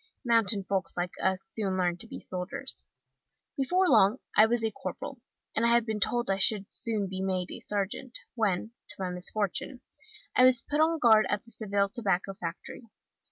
Mountain folks like us soon learn to be soldiers. Before long I was a corporal, and I had been told I should soon be made a sergeant, when, to my misfortune, I was put on guard at the Seville Tobacco Factory.